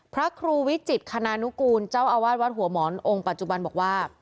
พระครูวิจิตคณานุกูลเจ้าอาวาสวัดหัวหมอนองค์ปัจจุบันบอกว่า